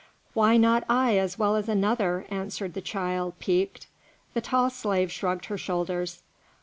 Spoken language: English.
"Why not I as well as another?" answered the child, piqued. The tall slave shrugged her shoulders.